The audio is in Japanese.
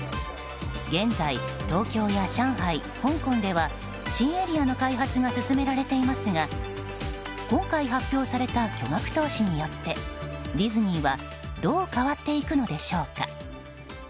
現在、東京や上海、香港では新エリアの開発が進められていますが今回発表された巨額投資によってディズニーはどう変わっていくのでしょうか。